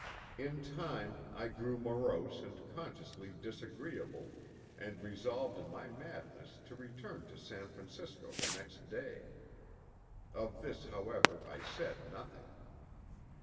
In time I grew morose and consciously disagreeable, and resolved in my madness to return to San Francisco the next day. Of this, however, I said nothing.